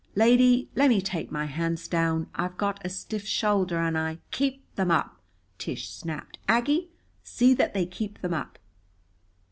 Lady, lemme take my hands down. I've got a stiff shoulder, and I " "Keep them up," Tish snapped. "Aggie, see that they keep them up."